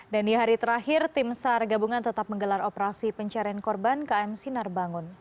dan di hari terakhir tim sargabungan tetap menggelar operasi pencarian korban km sinar bangun